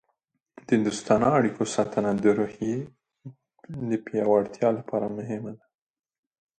د دوستانه اړیکو ساتنه د روحیې د پیاوړتیا لپاره مهمه ده.